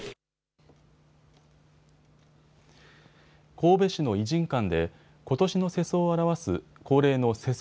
神戸市の異人館でことしの世相を表す恒例の世相